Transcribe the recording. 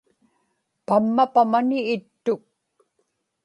pamma pamani ittuk